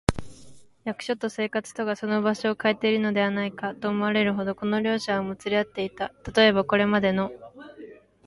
役所と生活とがその場所をかえているのではないか、と思われるほど、この両者はもつれ合っていた。たとえば、これまでのところはただ形式的にすぎない、